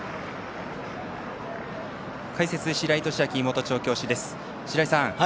解説・白井寿昭元調教師です。